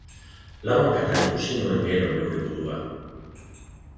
Lau hankatan ikusi nuen gero neure burua.